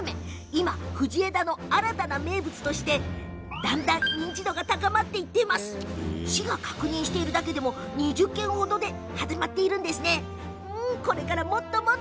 今、藤枝の新たな名物としてだんだん認知度も高まっていて市が確認しているだけでも２０軒程にもなるそうです。